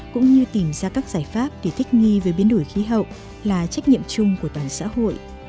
cũng như tìm ra các giải pháp để thích nghi với biến đổi khí hậu là trách nhiệm chung của toàn xã hội